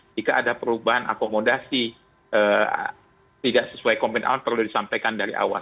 jika ada perubahan akomodasi tidak sesuai komitmen awal perlu disampaikan dari awal